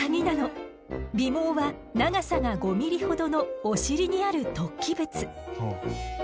尾毛は長さが５ミリほどのお尻にある突起物。